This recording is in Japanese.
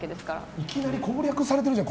いきなり攻略されてるじゃん